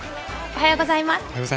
おはようございます。